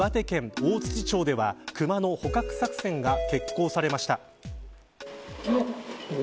大槌町ではクマの捕獲作戦が決行されました。